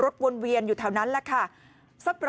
กลุ่มหนึ่งก็คือ